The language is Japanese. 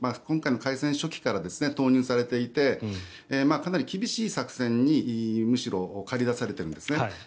今回の開戦初期から投入されていてかなり厳しい作戦にむしろ駆り出されているんですね。